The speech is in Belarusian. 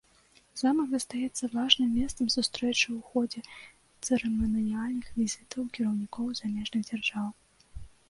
Замак застаецца важным месцам сустрэчы ў ходзе цырыманіяльных візітаў кіраўнікоў замежных дзяржаў.